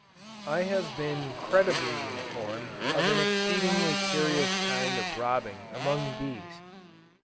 I have been credibly informed of an exceedingly curious kind of robbing among bees.